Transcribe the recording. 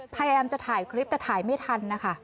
พยายามจะถ่ายคลิปแต่ถ่ายไม่ทันนะคะ